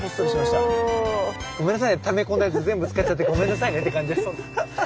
ため込んだやつ全部使っちゃってごめんなさいねって感じです。